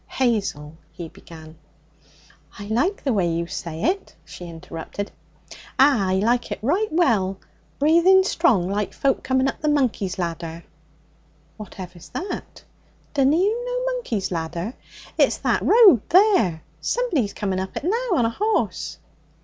'Hazel ' he began. 'I like the way you say it,' she interrupted. 'Ah! I like it right well! Breathin' strong, like folk coming up the Monkey's Ladder.' 'Whatever's that?' 'Dunna you know Monkey's Ladder? It's that road there. Somebody's coming up it now on a horse.'